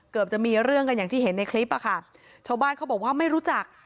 จะมีเรื่องกันอย่างที่เห็นในคลิปอะค่ะชาวบ้านเขาบอกว่าไม่รู้จัก